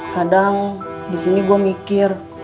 kadang disini gue mikir